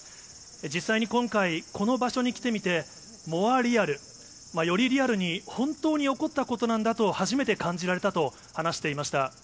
実際に今回、この場所に来てみて、モア・リアル、よりリアルに、本当に起こったことなんだと初めて感じられたと話していました。